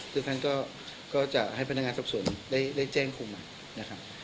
คือท่านก็จะให้พนักงานสอบสวนได้แจ้งคุมนะครับ